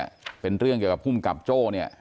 เป็นเรื่องเกี่ยวกับภูมิกับโจ้เนี่ย